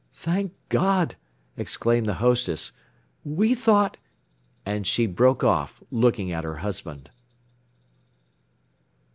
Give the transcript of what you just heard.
"Thank God!" exclaimed the hostess, "we thought ..." and she broke off, looking at her husband.